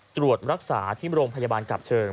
ตรวจรักษาที่โรงพยาบาลกลับเชิง